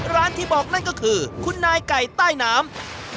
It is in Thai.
ที่บอกนั่นก็คือคุณนายไก่ใต้น้ำ